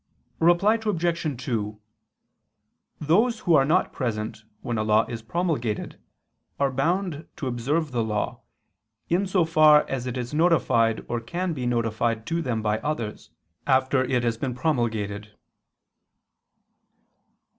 Reply Obj. 2: Those who are not present when a law is promulgated, are bound to observe the law, in so far as it is notified or can be notified to them by others, after it has been promulgated.